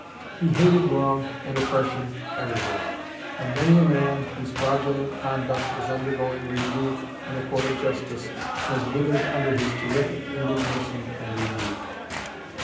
He hated wrong and oppression everywhere, and many a man, whose fraudulent conduct was undergoing review in a court of justice, has withered under his terrific indignation and rebuke."